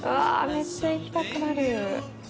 めっちゃ行きたくなる。